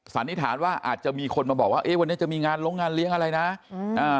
สันนิษฐานว่าอาจจะมีคนมาบอกว่าเอ๊ะวันนี้จะมีงานลงงานเลี้ยงอะไรนะอืมอ่า